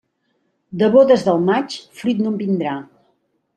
De bodes del maig, fruit no en vindrà.